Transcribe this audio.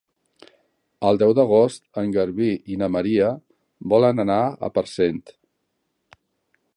El deu d'agost en Garbí i na Maria volen anar a Parcent.